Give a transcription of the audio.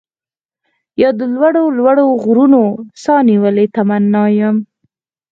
يا د لوړو لوړو غرونو، ساه نيولې تمنا يم